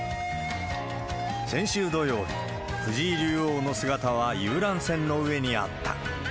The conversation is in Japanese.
先週土曜日、藤井竜王の姿は遊覧船の上にあった。